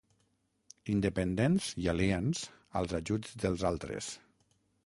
Independents i aliens als ajuts dels altres.